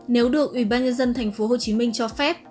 nếu được ubnd tp hcm cho phép